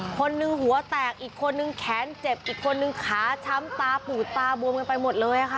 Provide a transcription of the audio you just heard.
คนหนึ่งหัวแตกอีกคนนึงแขนเจ็บอีกคนนึงขาช้ำตาปูดตาบวมกันไปหมดเลยค่ะ